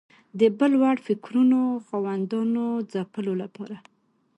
د بل وړ فکرونو خاوندانو ځپلو لپاره